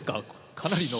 かなりの。